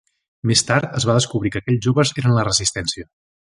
Més tard, es va descobrir que aquells joves eren la resistència.